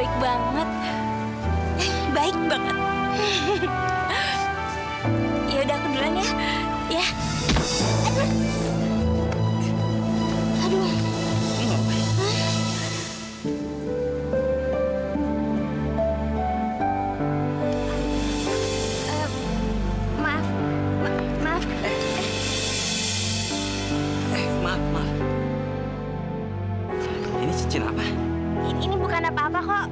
sampai jumpa di video selanjutnya